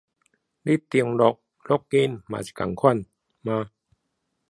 你登入也是一樣嗎？